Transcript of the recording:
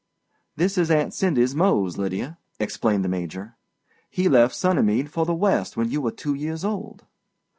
"This is Aunt Cindy's Mose, Lydia," explained the Major. "He left Sunnymead for the West when you were two years old."